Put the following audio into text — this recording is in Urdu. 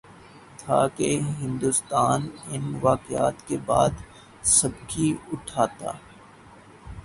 تھا کہ ہندوستان ان واقعات کے بعد سبکی اٹھاتا۔